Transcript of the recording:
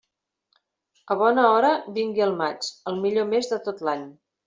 A bona hora vingui el maig, el millor mes de tot l'any.